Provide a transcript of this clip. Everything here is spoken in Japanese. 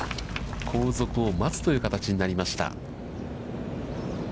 後続を待つという形になりました。